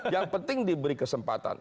yang penting diberi kesempatan